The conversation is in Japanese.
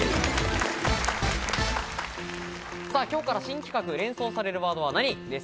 今日から新企画「連想されるワードは何！？」です。